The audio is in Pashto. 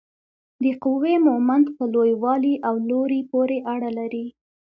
د قوې مومنت په لوی والي او لوري پورې اړه لري.